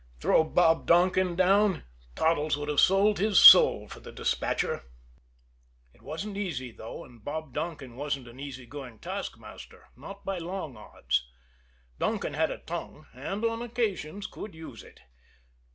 Throw Bob Donkin down! Toddles would have sold his soul for the despatcher. It wasn't easy, though; and Bob Donkin wasn't an easy going taskmaster, not by long odds. Donkin had a tongue, and on occasions could use it.